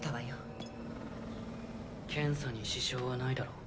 ピッ検査に支障はないだろ。